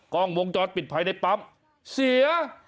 กล้องวงจรปิดภายในปั๊มเสีย